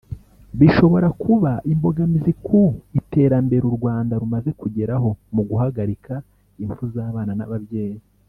bishobora kuba imbogamizi ku iterambere u Rwanda rumaze kugeraho mu guhagarika imfu z’abana n’ababyeyi